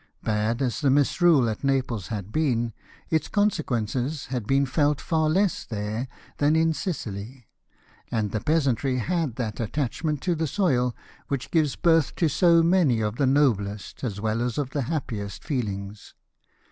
Bad as the misrule at Naples had been, its consequences had been felt far less there than in Sicily ; and the peasantry had that attachment to the soil which gives birth to so many of the noblest as well as of the happiest feelings.